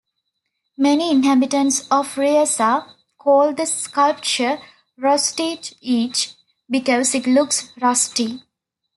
Many inhabitants of Riesa call the sculpture "Rostige Eiche", because it looks rusty.